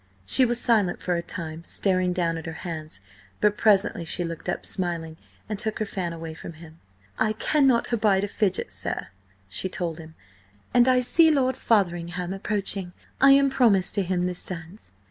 She was silent for a time, staring down at her hands, but presently she looked up smiling, and took her fan away from him. "I cannot abide a fidget, sir!" she told him. "And I see Lord Fotheringham approaching. I am promised to him this dance."